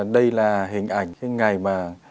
đây là hình ảnh ngày mà